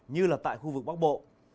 như là tại khu vực bắc bộ